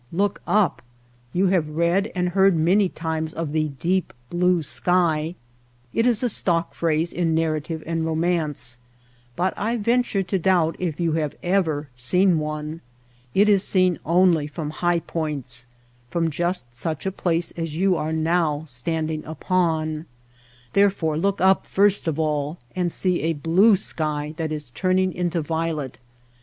Look up ! You have read and heard many times of the ^^ deep blue sky/^ It is a stock phrase in nar rative and romance ; but I venture to doubt if you have ever seen one. It is seen only from high points — from just such a place as you are now standing upon. Therefore look up first of all and see a blue sky that is turning into violet.